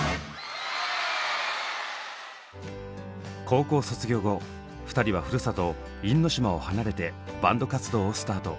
高校卒業後２人はふるさと因島を離れてバンド活動をスタート。